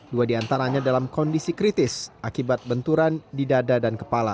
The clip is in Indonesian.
dua diantaranya dalam kondisi kritis akibat benturan di dada dan kepala